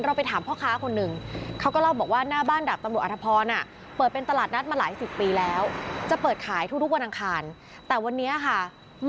เราไปถามพ่อค้าคนหนึ่งเขาก็เล่าบอกว่าหน้าบ้านดับตำรวจอธพรน่ะ